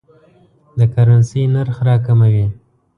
د کرنسۍ نرخ راکموي.